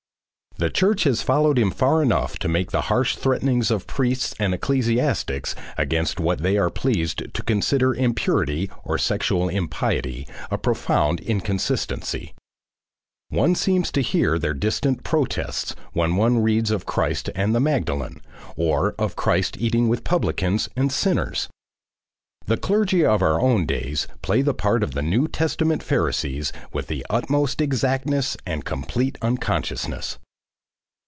The church has followed him far enough to make the harsh threatenings of priests and ecclesiastics against what they are pleased to consider impurity or sexual impiety, a profound inconsistency. One seems to hear their distant protests when one reads of Christ and the Magdalen, or of Christ eating with publicans and sinners. The clergy of our own days play the part of the New Testament Pharisees with the utmost exactness and complete unconsciousness.